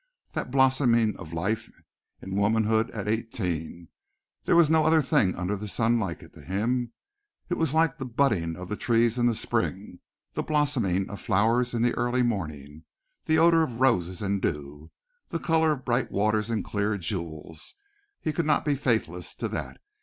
That blossoming of life in womanhood at eighteen! there was no other thing under the sun like it to him. It was like the budding of the trees in spring; the blossoming of flowers in the early morning; the odor of roses and dew, the color of bright waters and clear jewels. He could not be faithless to that.